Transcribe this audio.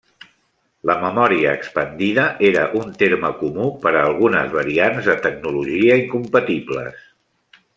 La memòria expandida era un terme comú per a algunes variants de tecnologia incompatibles.